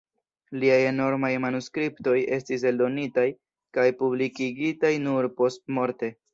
Liaj enormaj manuskriptoj estis eldonitaj kaj publikigitaj nur postmorte.